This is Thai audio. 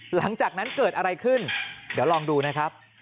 หลังจากนั้นเกิดอะไรขึ้นเดี๋ยวลองดูนะครับ